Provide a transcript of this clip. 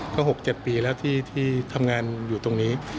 ก็๖๗ปีแล้วที่ทำงานอยู่ตรงนี้